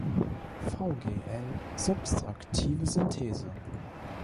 Vgl. subtraktive Synthese.